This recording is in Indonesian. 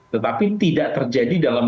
tetapi tidak terjadi dalam